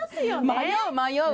迷う迷う。